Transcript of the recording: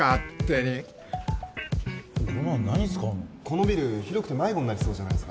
このビル広くて迷子になりそうじゃないっすか。